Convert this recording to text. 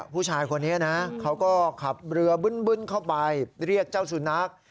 ผู้ชายคนนี้นะเขาก็ขับเรือบึ้นเข้าไปเรียกเจ้าสุนัข